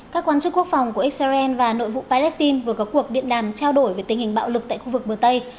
các quan chức quốc phòng của israel và nội vụ palestine vừa có cuộc điện đàm trao đổi về tình hình bạo lực tại khu vực bờ tây